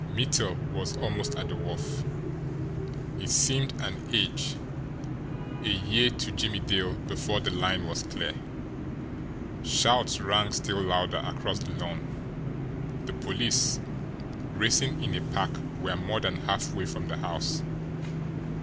Mittel was almost at the wharf. It seemed an age, a year to Jimmie Dale before the line was clear. Shouts rang still louder across the lawn the police, racing in a pack, were more than halfway from the house.